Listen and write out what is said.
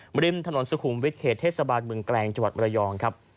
บริมถนนสุขุมวิทย์เขตเทศบาลเมืองแกลงจังหวัดมรยองครับ